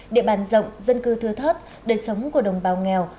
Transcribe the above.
địa bàn rộng dân cư thưa thớt đời sống của đồng bào nghèo